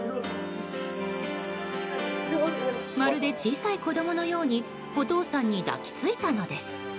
まるで小さい子供のようにお父さんに抱き着いたのです。